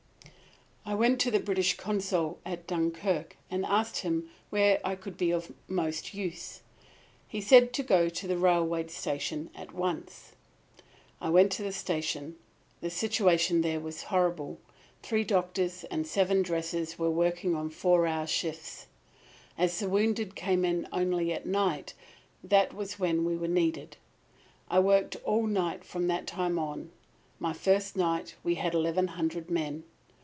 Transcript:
"I went to the British Consul at Dunkirk and asked him where I could be most useful. He said to go to the railroad station at once. "I went to the station. The situation there was horrible. Three doctors and seven dressers were working on four hour shifts. "As the wounded came in only at night, that was when we were needed. I worked all night from that time on. My first night we had eleven hundred men.